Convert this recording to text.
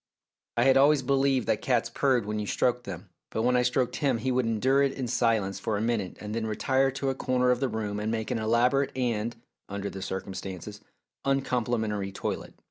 I had always believed that cats purred when you stroked them, but when I stroked him he would endure it in silence for a minute and then retire to a corner of the room and make an elaborate and, under the circumstances, uncomplimentary toilet.